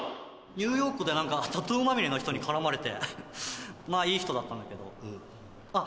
ニューヨークで何かタトゥーまみれの人に絡まれてまあいい人だったんだけどあっ